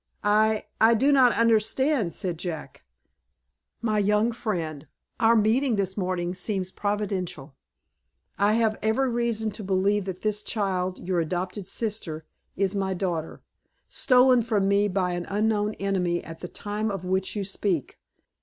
"I I do not understand," said Jack. "My young friend, our meeting this morning seems providential. I have every reason to believe that this child your adopted sister is my daughter, stolen from me by an unknown enemy at the time of which you speak.